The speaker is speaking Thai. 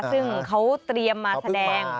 เขาเตรียมมาแสดง